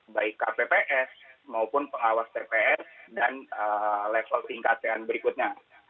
baik kpps maupun pengawas tps dan level tingkatan berikutnya